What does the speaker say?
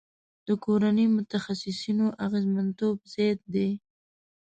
د کورني متخصصینو اغیزمنتوب زیات دی.